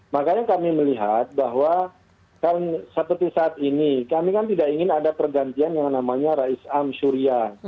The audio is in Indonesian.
makanya kami melihat bahwa seperti saat ini kami kan tidak ingin ada pergantian yang namanya rais am surya